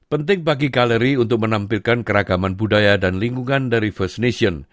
penting bagi galeri untuk menampilkan keragaman budaya dan lingkungan dari first nation